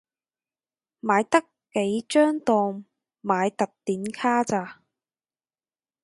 買得幾張當買特典卡咋